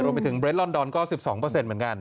ไปถึงเรดลอนดอนก็๑๒เหมือนกัน